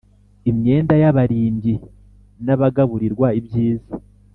Imyenda y abarimbyi n abagaburirwa ibyiza